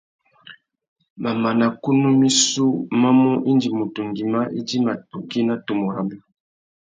Mamana kunú missú má mú indi mutu ngüimá idjima tukí nà tumu rabú.